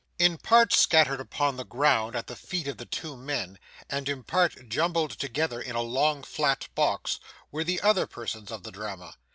In part scattered upon the ground at the feet of the two men, and in part jumbled together in a long flat box, were the other persons of the Drama.